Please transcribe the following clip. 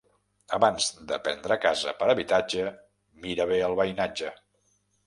Abans de prendre casa per habitatge, mira bé el veïnatge.